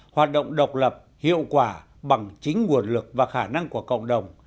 hoạt động độc lập hiệu quả bằng chính nguồn lực và khả năng của cộng đồng